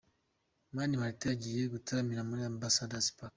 Mani Martin agiye gutaramira muri Ambassador's Park.